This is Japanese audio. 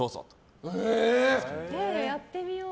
やってみよう。